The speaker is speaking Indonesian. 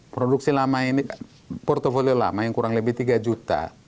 produksi lama ini portfolio lama yang kurang lebih tiga juta